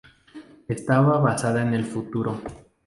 Estaba basada en el futuro.